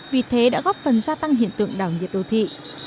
vì thế đã góp phần gia tăng hiện tượng đảo nhiệt đô thị